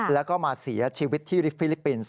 แล้วก็มาเสียชีวิตที่ฟิลิปปินส์